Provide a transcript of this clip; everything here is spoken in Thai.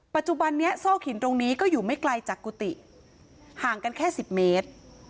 ปัจจุบันนี้ซอกหินตรงนี้ก็อยู่ไม่ไกลจากกุฏิห่างกันแค่๑๐เมตร